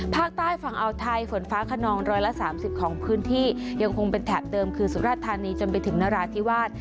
ภาคใต้ฝั่งอาวไทยฝนฟ้าขนองร้อยละ๓๐ของพื้นที่ยังคงเป็นแถบเดิมคือสุราธานีจนไปถึงนราธิวาส